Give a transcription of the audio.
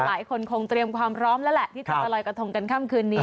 หลายคนคงเตรียมความพร้อมแล้วแหละที่จะมาลอยกระทงกันค่ำคืนนี้